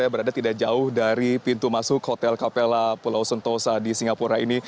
berada tidak jauh dari pintu masuk hotel capella pulau sentosa di singapura ini